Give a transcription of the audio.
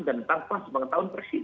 dan tanpa sebangga tahun persis